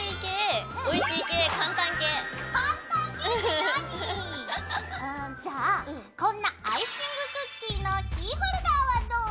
かんたん系って何⁉うんじゃあこんなアイシングクッキーのキーホルダーはどう？